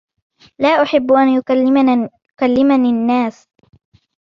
لا أحب أن يكلمني الناس.